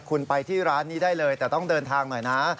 คุณไปที่ร้านนี้ได้เลยแต่ต้องเดินทางหน่อยนะ